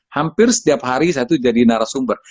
hampir setiap hari saya itu jadi narasumber